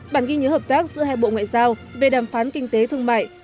bản ghi nhớ hợp tác giữa hai bộ ngoại giao về đàm phán kinh tế thương mại